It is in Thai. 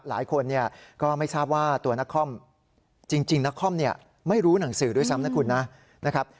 หลายคนเนี่ยก็ไม่ทราบว่าตัวนักคอมจริงนักคอมเนี่ยไม่รู้หนังสือด้วยซ้ำนะคุณนะครับ